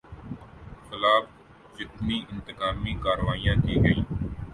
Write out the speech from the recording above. خلاف جتنی انتقامی کارروائیاں کی گئیں